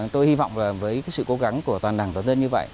tôi hy vọng là với sự cố gắng của toàn đảng toàn dân như vậy